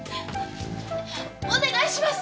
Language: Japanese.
お願いします！